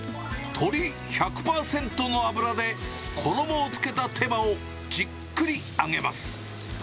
鶏１００％の脂で、衣をつけた手羽をじっくり揚げます。